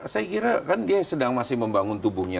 saya kira kan dia sedang masih membangun tubuhnya